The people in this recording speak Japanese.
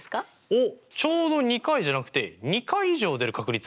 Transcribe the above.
おっちょうど２回じゃなくて２回以上出る確率！